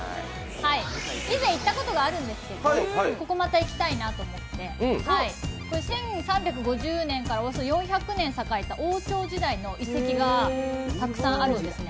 以前行ったことがあるんですけど、ここ、また行きたいなと思っていて１３５０年からおよそ４００年栄えた王朝時代の遺跡がたくさんあるんですね。